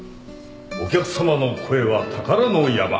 お客さまの声は宝の山